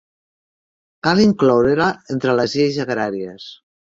Cal incloure-la entre les lleis agràries.